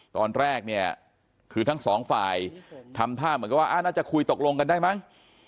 ตอนแรกเนี่ยคือทั้งสองฝ่ายทำท่าเหมือนกับว่าน่าจะคุยตกลงกันได้มั้ง